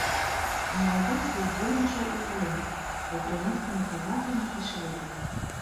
У маладосці удзельнічаў у войнах з украінскімі казакамі і шведамі.